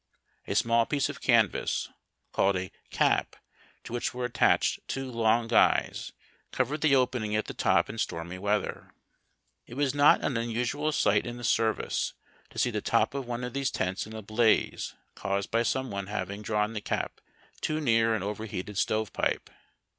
A small piece of canvas, called a m/?, to which were attached two long guys, covered the opening at the top in stormy weather. It was not an unusual sight in the service to see the top of one of these tents in a blaze caused by some one having drawn the cap too near an over heated stove pipe.